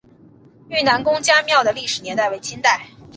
愈南公家庙的历史年代为清代。